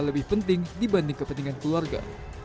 lebih penting dibanding kepentingan keluarga